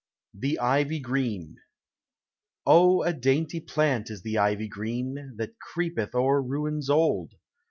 THE IVY GREEN. O, a dainty plant is the ivy green, That creepeth o'er ruins old!